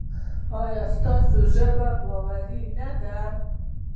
ایا ستاسو ژمنه باوري نه ده؟